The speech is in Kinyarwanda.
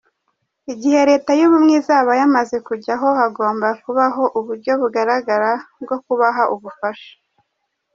Igihe leta y’ubumwe izaba yamaze kujyaho, hagomba kubaho uburyo bugaragara bwo kubaha ubufasha”.